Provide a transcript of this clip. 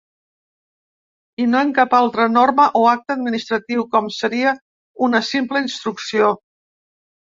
I no en cap altra norma o acte administratiu, com seria una simple instrucció.